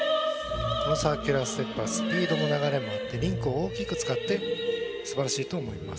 このサーキュラーステップはスピードも流れもあってリンクを大きく使ってすばらしいと思います。